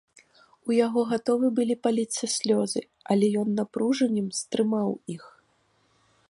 У яго гатовы былі паліцца слёзы, але ён напружаннем стрымаў іх.